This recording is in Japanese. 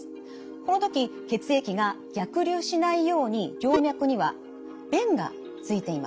この時血液が逆流しないように静脈には弁がついています。